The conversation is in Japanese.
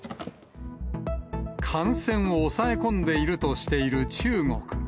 感染を抑え込んでいるとしている中国。